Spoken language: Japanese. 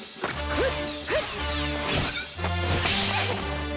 フッ！